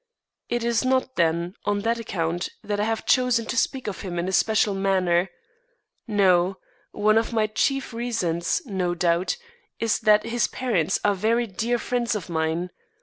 It is not, then, on that account that I have chosen to speak of him in a special manner. No; one of my chief reasons, no doubt, is that his parents are very dear friends of mine.